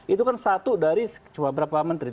itu kan satu dari cuma berapa menteri